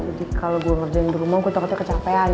jadi kalo gua ngerjain dirumah gua tau itu kecapean